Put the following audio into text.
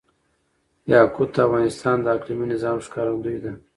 یاقوت د افغانستان د اقلیمي نظام ښکارندوی ده.